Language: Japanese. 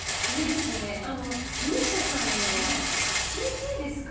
ＭＩＳＩＡさんのはＣＧですか？